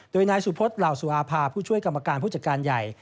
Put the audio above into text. โดยนายสุพธิ์เหล่าสุอาภาผู้ช่วยกรรมการผู้จัดการใหญ่